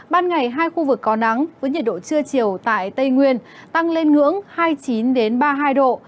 ban ngày hai khu vực có nắng với nhiệt độ trưa chiều tại tây nguyên tăng lên ngưỡng hai mươi chín ba mươi hai độ